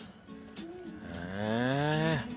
へえ。